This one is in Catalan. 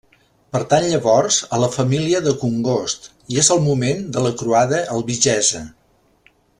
Pertany llavors a la família de Congost i és el moment de la croada albigesa.